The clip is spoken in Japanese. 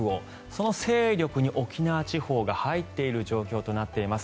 その勢力に沖縄地方が入っている状況となっています。